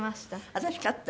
私勝った？